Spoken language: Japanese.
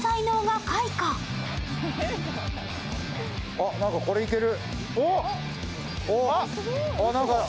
あっ、何かこれいける。